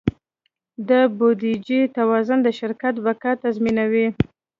د بودیجې توازن د شرکت بقا تضمینوي.